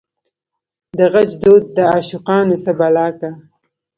دغچ دود دعاشقانو څه بلا کا